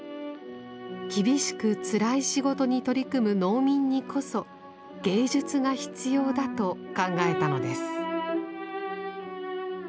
厳しくつらい仕事に取り組む農民にこそ芸術が必要だと考えたのです。